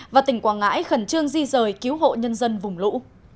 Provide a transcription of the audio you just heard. và tỉnh quảng ngãi khẩn trương di rời cứu hộ nhân dân vùng lũ